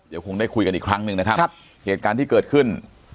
เดี๋ยวคงได้คุยกันอีกครั้งหนึ่งนะครับเหตุการณ์ที่เกิดขึ้น